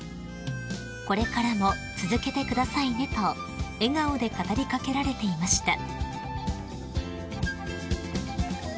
［「これからも続けてくださいね」と笑顔で語り掛けられていました］